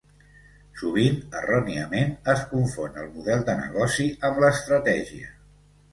Sovint, erròniament, es confon el model de negoci amb l’estratègia.